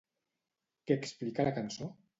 Què explica la cançó?